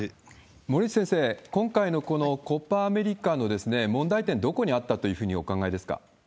森内先生、今回のこのコパ・アメリカの問題点、どこにあったというふうにお考えですか？